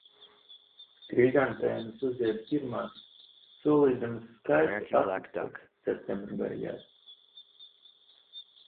Krizantēmas uzzied pirmās, solīdamas skaistu atvasaru septembra beigās.